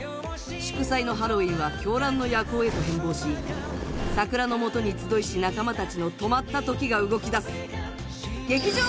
祝祭のハロウィンは狂乱の夜行へと変貌し桜の下に集いし仲間たちの止まった時が動きだす劇場